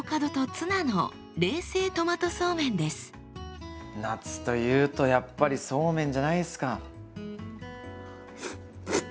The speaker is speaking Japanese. こちらは夏というとやっぱりそうめんじゃないですか。